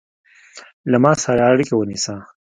له ما سره اړیکه ونیسه